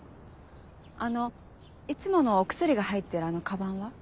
あのいつものお薬が入ってるあのカバンは？